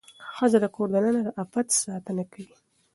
ښځه د کور دننه د عفت ساتنه کوي.